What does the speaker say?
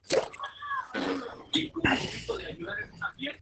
Este fenómeno, aunque se conocía su posibilidad teórica, resultó una sorpresa.